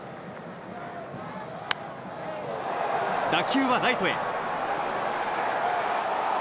打球はライトへ。